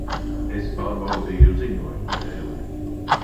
Es pārbaudīju ziņojumu dēli.